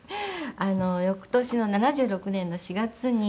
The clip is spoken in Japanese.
翌年の１９７６年の４月に。